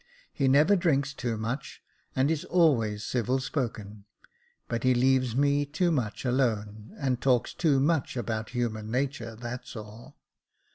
He never drinks too much, and is always civil spoken ; but he leaves me too much alone, and talks too much about human nature, that's all."